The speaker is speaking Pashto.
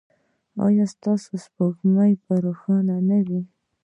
ایا ستاسو سپوږمۍ به روښانه نه وي؟